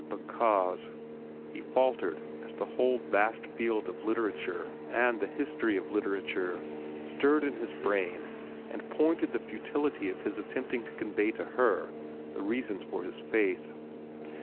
"Because—" He faltered as the whole vast field of literature and the history of literature stirred in his brain and pointed the futility of his attempting to convey to her the reasons for his faith.